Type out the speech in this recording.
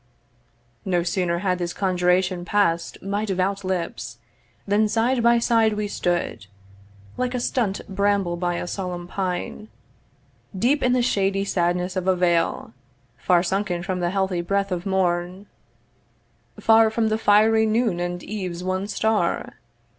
No sooner had this conjuration pass'd My devout lips, than side by side we stood (Like a stunt bramble by a solemn pine) Deep in the shady sadness of a vale, Far sunken from the healthy breath of morn, Far from the fiery noon and eve's one star.